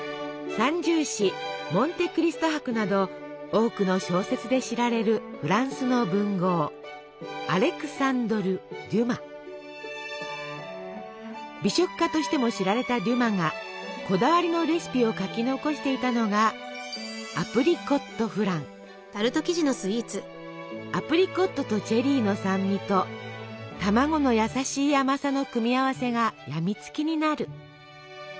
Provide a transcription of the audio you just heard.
「三銃士」「モンテ・クリスト伯」など多くの小説で知られるフランスの文豪美食家としても知られたデュマがこだわりのレシピを書き残していたのがアプリコットとチェリーの酸味と卵の優しい甘さの組み合わせがやみつきになる。